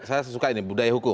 saya sesuka ini budaya hukum